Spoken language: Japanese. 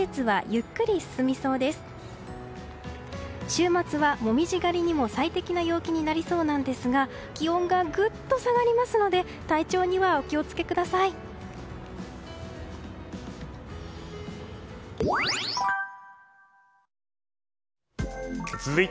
週末は紅葉狩りにも最適な気温になりそうですが気温がぐっと下がりそうなので体調にはお気を付けください。